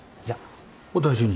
じゃあ。